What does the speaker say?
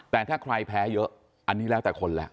แต่ถ้าใครแพ้เยอะอันนี้แล้วแต่คนแหละ